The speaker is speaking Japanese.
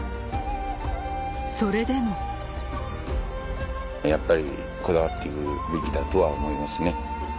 それでもやっぱりこだわって行くべきだとは思いますね。